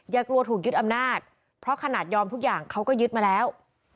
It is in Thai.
กลัวถูกยึดอำนาจเพราะขนาดยอมทุกอย่างเขาก็ยึดมาแล้ว